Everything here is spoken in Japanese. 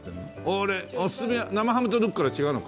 俺おすすめは生ハムとルッコラ違うのか。